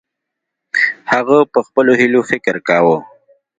هغه په خپلو هیلو فکر کاوه.